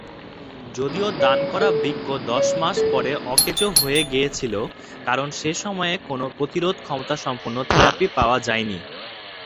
যদিও দান করা বৃক্ক দশ মাস পরে অকেজো হয়ে গিয়েছিল কারণ সেই সময়ে কোনও প্রতিরোধ ক্ষমতা সম্পন্ন থেরাপি পাওয়া যায়নি।